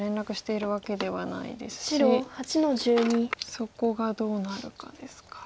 そこがどうなるかですか。